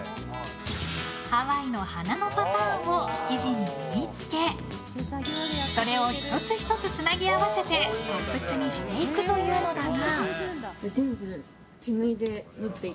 ハワイの花のパターンを生地に縫い付けそれを１つ１つ、つなぎ合わせてトップスにしていくというのだが。